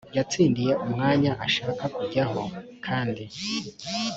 yatsindiye umwanya ashaka kujyaho kandi